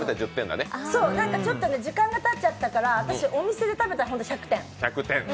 ちょっと時間がたっちゃったから、お店で食べたら１００点。